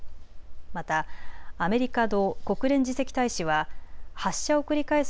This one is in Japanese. またアメリカの国連次席大使は発射を繰り返す